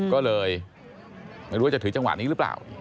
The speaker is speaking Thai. ก็เลยไม่รู้ว่าจะถือจังหวะนี้หรือเปล่า